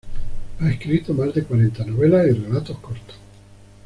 Ha escrito más de cuarenta novelas y relatos cortos.